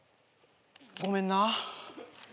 ごめんな。